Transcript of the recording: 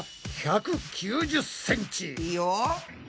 いいよ。